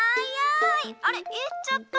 あれいっちゃった。